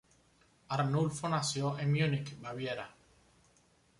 Arnulfo nació en Múnich, Baviera.